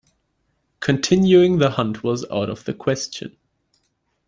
Continuing the hunt was out of the question.